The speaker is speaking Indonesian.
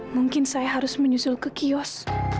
mungkin saya harus menyusul ke kios